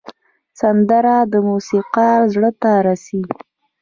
سندره د موسیقار زړه ته رسي